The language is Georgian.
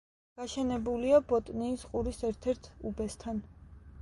გაშენებულია ბოტნიის ყურის ერთ-ერთ უბესთან.